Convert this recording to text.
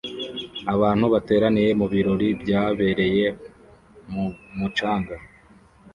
Abantu bateraniye mu birori byabereye mu mucanga